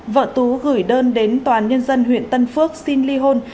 vợ tú gửi đơn đến toàn nhân dân huyện tân phước xin ly hôn